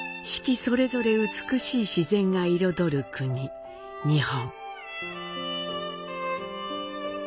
それぞれ美しい自然が彩る国、日本。